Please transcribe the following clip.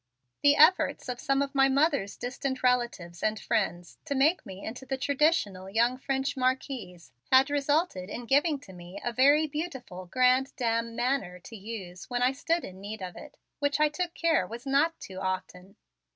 The efforts of some of my mother's distant relatives and friends to make me into the traditional young French Marquise had resulted in giving to me a very beautiful grande dame manner to use when I stood in need of it, which I took a care was not too often.